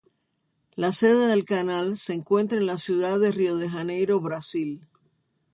La sede del canal se encuentra en la ciudad de Rio de Janeiro, Brasil.